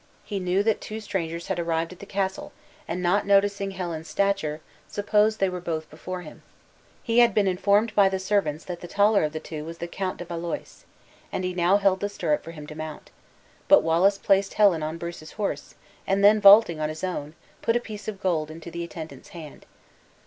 He knew that two strangers had arrived at the castle, and not noticing Helen's stature, supposed they were both before him. He had been informed by the servants, that the taller of the two was the Count de Valois, and he now held the stirrup for him to mount; But Wallace placed Helen on Bruce's horse, and then vaulting on his own, put a piece of gold into the attendant's hand.